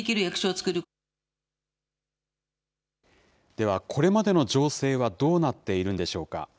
ではこれまでの情勢はどうなっているんでしょうか。